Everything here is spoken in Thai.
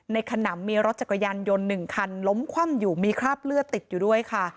ขนำมีรถจักรยานยนต์๑คันล้มคว่ำอยู่มีคราบเลือดติดอยู่ด้วยค่ะ